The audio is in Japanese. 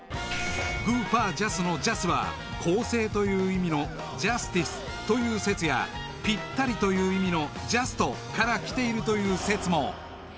［「グーパージャス」の「ジャス」は公正という意味の「ジャスティス」という説やピッタリという意味の「ジャスト」から来ているという説も］